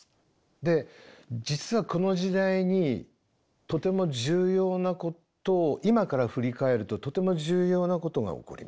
で実はこの時代にとても重要なこと今から振り返るととても重要なことが起こります。